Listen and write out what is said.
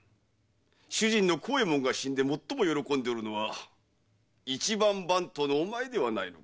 主人の幸右衛門が死んで最も喜んでおるのは一番番頭のお前ではないのか？